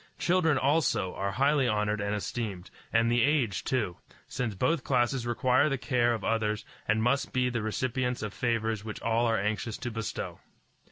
Children also are highly honored and esteemed, and the aged too, since both classes require the care of others and must be the recipients of favors which all are anxious to bestow.